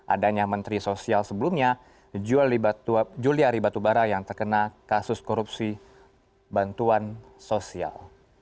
adanya menteri sosial sebelumnya juliari batubara yang terkena kasus korupsi bantuan sosial